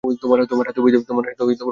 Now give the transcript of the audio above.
তোমার হাতে উপায় থাকবেই।